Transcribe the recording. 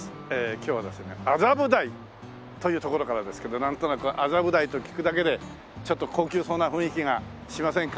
今日はですね麻布台という所からですけどなんとなく麻布台と聞くだけでちょっと高級そうな雰囲気がしませんか？